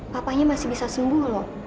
papanya masih bisa sembuh loh